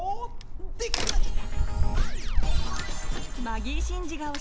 でっかくなっちゃった！